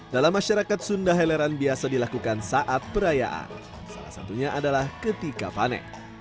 dalam masyarakat sunda heleran biasa dilakukan saat perayaan salah satunya adalah ketika panen